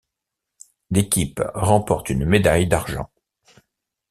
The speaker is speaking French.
L'équipe remporte une médaille d'argent.